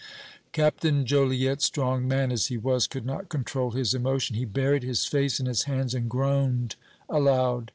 Captain Joliette, strong man as he was, could not control his emotion; he buried his face in his hands and groaned aloud.